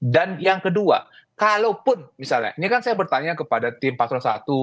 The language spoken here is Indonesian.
dan yang kedua kalaupun misalnya ini kan saya bertanya kepada tim pak solon i yang ada sama bang heru